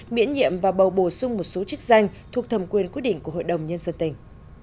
miễn nhiệm và bầu bổ sung một số chức danh thuộc thẩm quyền quyết định của hội đồng nhân dân tỉnh